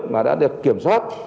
mà đã được kiểm soát